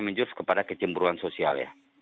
menjurus kepada kecemburuan sosial ya